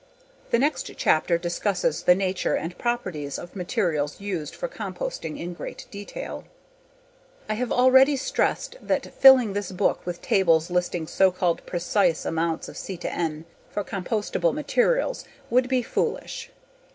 The next chapter discusses the nature and properties of materials used for composting in great detail. I have already stressed that filling this book with tables listing so called precise amounts of C/N for compostable materials would be foolish.